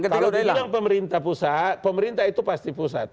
kalau dibilang pemerintah pusat pemerintah itu pasti pusat